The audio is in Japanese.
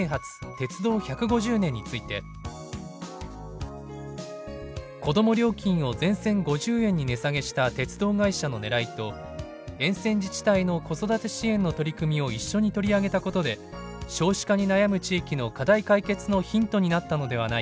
鉄道１５０年」について「子ども料金を全線５０円に値下げした鉄道会社のねらいと沿線自治体の子育て支援の取り組みを一緒に取り上げたことで少子化に悩む地域の課題解決のヒントになったのではないか」。